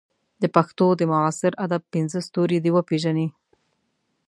د پښتو د معاصر ادب پنځه ستوري دې وپېژني.